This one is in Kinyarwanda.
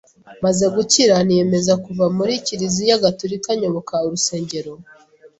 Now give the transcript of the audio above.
maze gukira niyemeza kuva muri kiliziya gatulika nyoboka urusengero